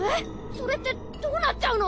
それってどうなっちゃうの？